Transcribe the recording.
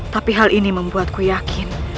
tapi hal ini membuatku yakin